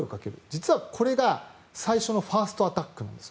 実はこれが最初のファーストアタックなんです。